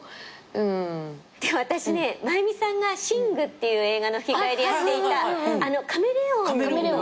私ね真弓さんが『ＳＩＮＧ』っていう映画の吹き替えでやっていたカメレオン。